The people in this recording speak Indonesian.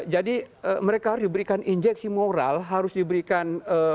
jadi mereka diberikan injeksi moral harus diberikan